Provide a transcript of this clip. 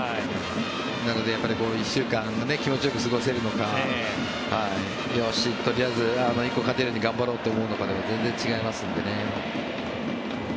なので、１週間気持ちよく過ごせるのかよし、とりあえず１個勝てるように頑張ろうと思うのかで全然違いますのでね。